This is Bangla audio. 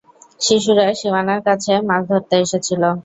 শিশুরা সীমানার কাছে মাছ ধরতে এসেছিল।